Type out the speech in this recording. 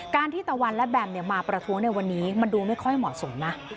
ที่ตะวันและแบมมาประท้วงในวันนี้มันดูไม่ค่อยเหมาะสมนะ